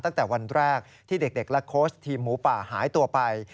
ตั้งแต่วันแรกที่เด็กและโค้ชทีมหมูป่าหายตัวไป